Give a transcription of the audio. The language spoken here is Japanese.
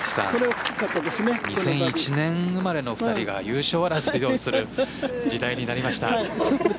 ２００１年生まれの２人が優勝争いをする時代になりました。